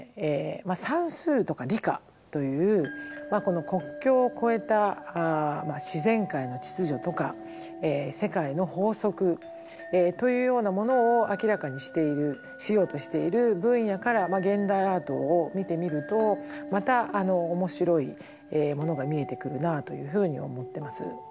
算数とか理科という国境を超えた自然界の秩序とか世界の法則というようなものを明らかにしているしようとしている分野から現代アートを見てみるとまた面白いものが見えてくるなというふうに思ってます。